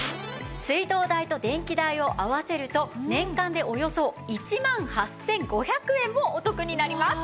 水道代と電気代を合わせると年間でおよそ１万８５００円もお得になります。